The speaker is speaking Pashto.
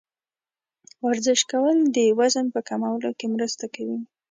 ورزش کول د وزن په کمولو کې مرسته کوي.